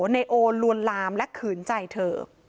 นายโอลวนลามและขืนใจเธอ